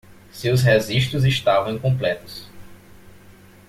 Seus registros estavam incompletos.